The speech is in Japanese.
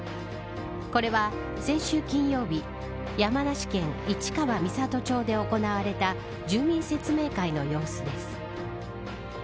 これは先週、金曜日山梨県市川三郷町で行われた住民説明会の様子です。